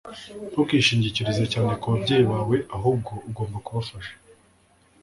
Ntukishingikirize cyane kubabyeyi bawe ahubwo ugomba kubafasha.